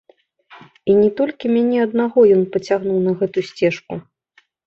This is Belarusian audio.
І не толькі мяне аднаго ён пацягнуў на гэтую сцежку.